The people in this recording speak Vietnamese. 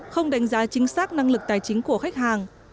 không đánh giá chính xác năng lực tài chính của khách hàng